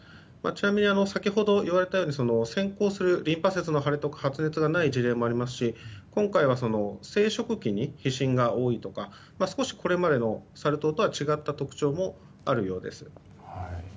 ちなみに先ほど言われたようにリンパ節の腫れとか発熱がない事例もありますし今回は、生殖器に皮疹が多いとか少しこれまでのサル痘とは違う特徴もあるようです。